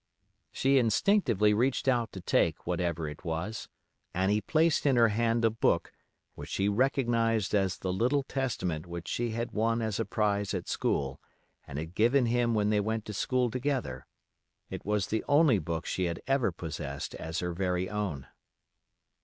She instinctively reached out to take whatever it was, and he placed in her hand a book which she recognized as the little Testament which she had won as a prize at school and had given him when they went to school together. It was the only book she had ever possessed as her very own.